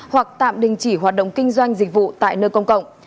hoặc tạm đình chỉ hoạt động kinh doanh dịch vụ tại nơi công cộng